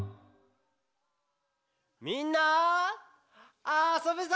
みんなあそぶぞ！